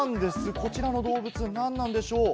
こちらの動物、なんなんでしょう？